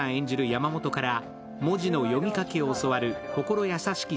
山本から文字の読み書きを教わる心優しき